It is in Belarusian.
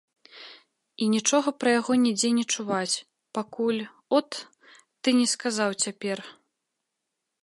І нічога пра яго нідзе не чуваць, пакуль от ты не сказаў цяпер.